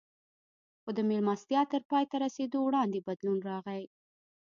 خو د مېلمستیا تر پای ته رسېدو وړاندې بدلون راغی